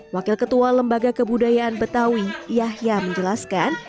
wakil ketua lembaga kebudayaan betawi yahya menjelaskan